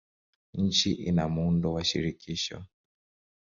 Nchi ina muundo wa shirikisho.